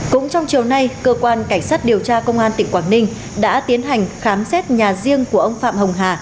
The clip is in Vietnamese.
cũng trong chiều nay cơ quan cảnh sát điều tra công an tỉnh quảng ninh đã tiến hành khám xét nhà riêng của ông phạm hồng hà